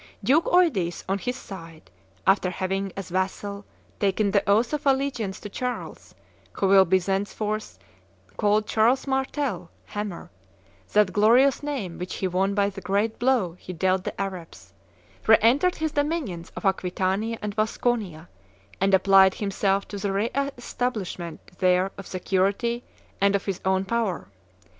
Duke Eudes, on his side, after having, as vassal, taken the oath of allegiance to Charles, who will be henceforth called Charles Martel (Hammer), that glorious name which he won by the great blow he dealt the Arabs, reentered his dominions of Aquitania and Vasconia, and applied himself to the reestablishment there of security and of his own power.